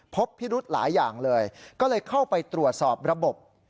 พบพิรุธหลายอย่างเลยก็เลยเข้าไปตรวจสอบระบบ